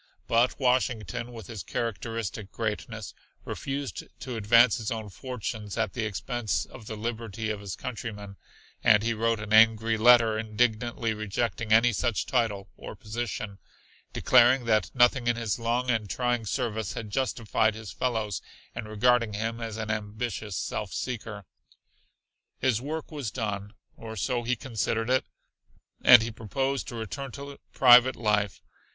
But Washington with his characteristic greatness refused to advance his own fortunes at the expense of the liberty of his countrymen, and he wrote an angry letter indignantly rejecting any such title or position, declaring that nothing in his long and trying service had justified his fellows in regarding him as an ambitious self seeker. His work was done, or so he considered it, and he proposed to return to private life.